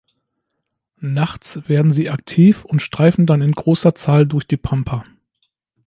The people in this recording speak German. Nachts werden sie aktiv und streifen dann in großer Zahl durch die Pampa.